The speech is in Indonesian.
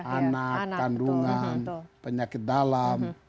anak kandungan penyakit dalam